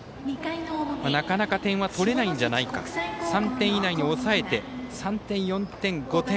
なかなか点は取れないんじゃないか３点以内に抑えて３点、４点、５点。